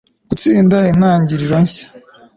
gutsinda, intangiriro nshya